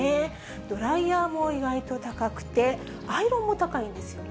ドライヤーも意外と高くて、アイロンも高いんですよね。